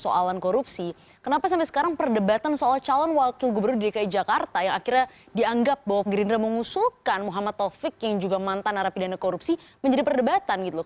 soalan korupsi kenapa sampai sekarang perdebatan soal calon wakil gubernur dki jakarta yang akhirnya dianggap bahwa gerindra mengusulkan muhammad taufik yang juga mantan narapidana korupsi menjadi perdebatan gitu loh